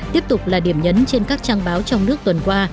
tiếp tục là điểm nhấn trên các trang báo trong nước tuần qua